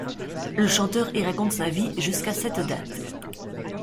Le chanteur y raconte sa vie jusqu'à cette date.